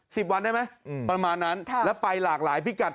สิบวันได้ไหมอืมประมาณนั้นค่ะแล้วไปหลากหลายพิกัด